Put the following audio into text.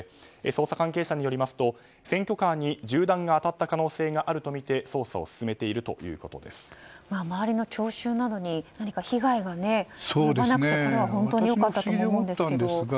捜査関係者によりますと選挙カーに銃弾が当たった可能性があるとみて周りの聴衆などに何か被害が及ばなくて本当に良かったと思いますが。